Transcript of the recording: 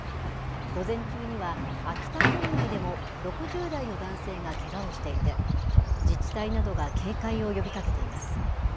午前中には秋田県内でも６０代の男性がけがをしていて、自治体などが警戒を呼びかけています。